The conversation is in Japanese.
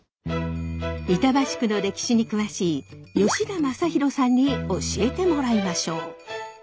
板橋区の歴史に詳しい吉田政博さんに教えてもらいましょう。